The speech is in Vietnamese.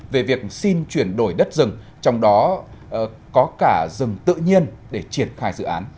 về việc xin chuyển đổi đất rừng trong đó có cả rừng tự nhiên để triển khai dự án